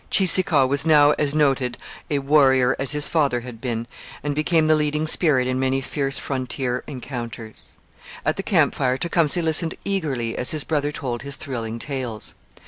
Cheeseekau was now as noted a warrior as his father had been, and became the leading spirit in many fierce frontier encounters. At the camp fire Tecumseh listened eagerly as his brother told his thrilling tales.